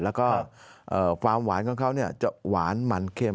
แล้วก็ความหวานของเขาจะหวานหมั่นเค็ม